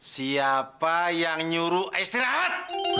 siapa yang nyuruh istirahat